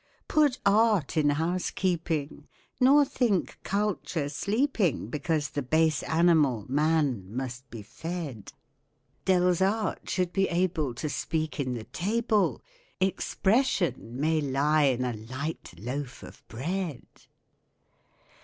Put art in housekeeping, nor think culture sleeping Because the base animal, man, must be fed. Delsarte should be able to speak in the table 'Expression' may lie in a light loaf of bread.